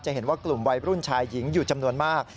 เห็นว่ากลุ่มวัยรุ่นชายหญิงอยู่จำนวนมาก